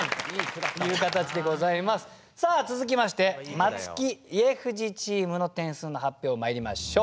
さあ続きましてまつき・家藤チームの点数の発表まいりましょう。